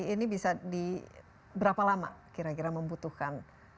ini bisa di berapa lama kira kira membutuhkan